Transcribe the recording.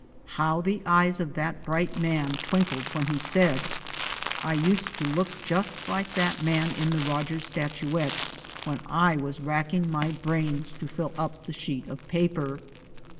How the eyes of that bright man twinkled when he said, " I used to look just like that man in the Rogers statuette, when I was racking my brains to fill up the sheet of paper.